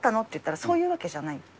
って言ったら、そういうわけじゃない。